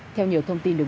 theo nhiều thông tin